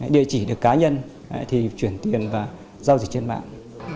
địa chỉ được cá nhân thì chuyển tiền và giao dịch trên mạng